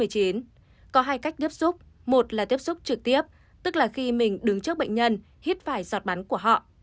có hai cách tiếp xúc một là tiếp xúc trực tiếp tức là khi mình đứng trước bệnh nhân hít phải giọt bắn của họ